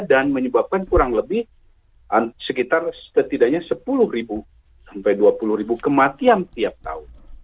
dan menyebabkan kurang lebih sekitar setidaknya sepuluh ribu sampai dua puluh ribu kematian tiap tahun